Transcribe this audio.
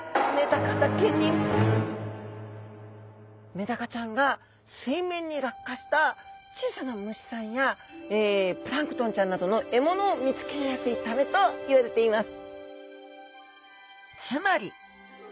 メダカちゃんが水面に落下した小さな虫さんやプランクトンちゃんなどの獲物を見つけやすいためといわれています。